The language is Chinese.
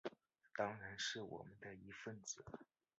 当然是我们的一分子